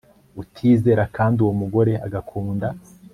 utizera, kandi uwo mugore agakunda